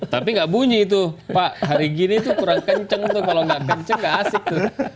tapi nggak bunyi tuh pak hari gini tuh kurang kenceng tuh kalau nggak kenceng gak asik tuh